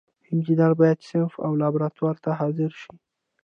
انجینر باید صنف او لابراتوار ته حاضر شي.